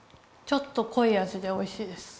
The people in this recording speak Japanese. ちょっとこい味でおいしいです。